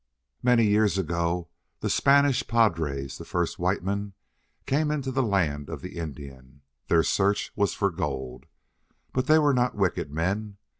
"Many years ago the Spanish padres, the first white men, came into the land of the Indian. Their search was for gold. But they were not wicked men.